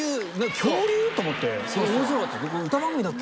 恐竜。と思って面白かったです。